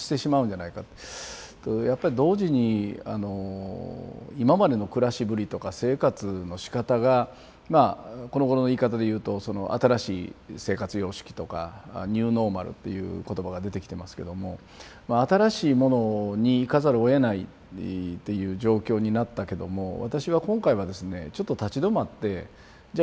やっぱり同時に今までの暮らしぶりとか生活のしかたがまあこのごろの言い方で言うと新しい生活様式とかニューノーマルっていう言葉が出てきてますけども新しいものにいかざるをえないっていう状況になったけども私は今回はですねちょっと立ち止まってじゃあ